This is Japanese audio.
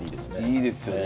いいですよね。